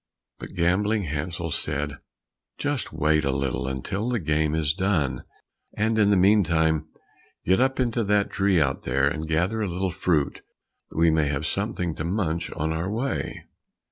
But Gambling Hansel said, "Just wait a little until the game is done, and in the meantime get up into that tree out there, and gather a little fruit that we may have something to munch on our way."